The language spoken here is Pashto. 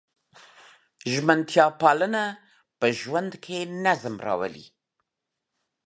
ژمنتیا پالنه په ژوند کې نظم راولي.